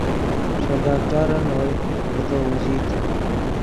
ݰے ڈاکٹرن اوئے ڤے تو اوژیت